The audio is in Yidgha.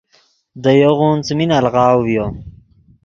دے یوغون څیمی الغاؤ ڤیو۔